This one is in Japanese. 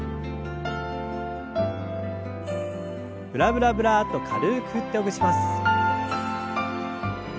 ブラブラブラッと軽く振ってほぐします。